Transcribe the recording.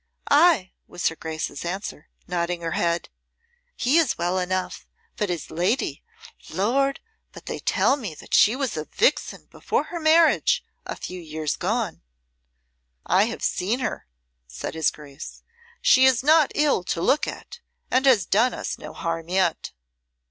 "Ay," was her Grace's answer, nodding her head. "He is well enough, but his lady Lord! but they tell that she was a vixen before her marriage a few years gone!" "I have seen her," said his Grace. "She is not ill to look at, and has done us no harm yet."